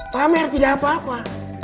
pamer tidak apa apa